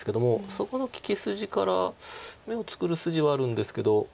そこの利き筋から眼を作る筋はあるんですけど。